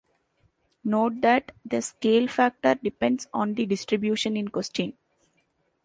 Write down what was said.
Note that the scale factor depends on the distribution in question.